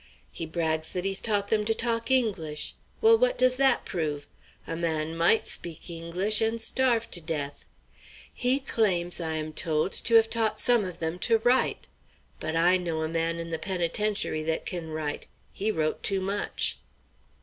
He brags that he's taught them to talk English. Well, what does that prove? A man might speak English and starve to death. He claims, I am told, to have taught some of them to write. But I know a man in the penitentiary that can write; he wrote too much."